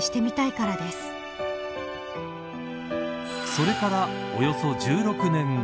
それからおよそ１６年後。